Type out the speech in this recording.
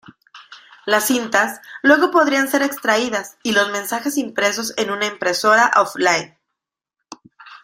Las cintas luego podrían ser extraídas y los mensajes impresos en una impresora "off-line".